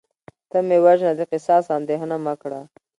ته مې وژنه د قصاص اندیښنه مه کړه